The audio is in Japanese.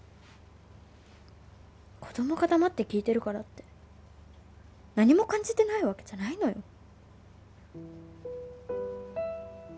子供が黙って聞いてるからって何も感じてないわけじゃないのよ